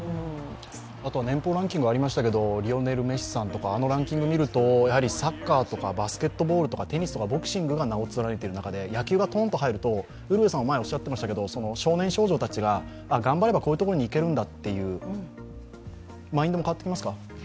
あとは年俸ランキングありましたけど、リオネル・メッシさんとかあのランキング見ると、サッカーとかバスケットボールとかテニスとかボクシングが名を連ねている中で野球がポーンと入ると少年少女たちが、頑張ればこういうところに行けるんだっていうマインドも変わってきますか。